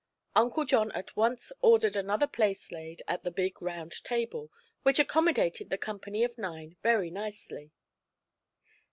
Uncle John at once ordered another place laid at the big round table, which accommodated the company of nine very nicely.